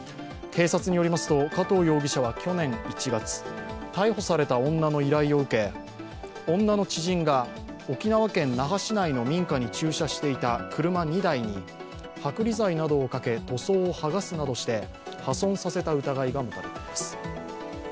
警察によりますと、加藤容疑者は去年１月、逮捕された女の依頼を受け、女の知人が沖縄県那覇市内の民家に駐車していた車２台に剥離剤などをかけ、塗装を剥がすなどして破損させた疑いが持たれています。